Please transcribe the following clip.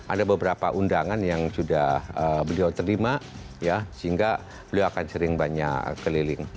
ada beberapa undangan yang sudah beliau terima ya sehingga beliau akan sering banyak keliling